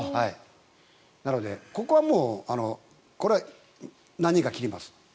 なのでここはもうこれは何人か切ります。